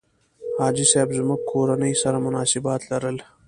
حاجي صاحب زموږ کورنۍ سره مناسبات لرل.